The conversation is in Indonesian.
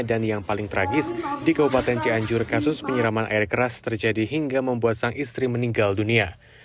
dan yang paling tragis di kabupaten cianjur kasus penyiraman air keras terjadi hingga membuat sang istri meninggal dunia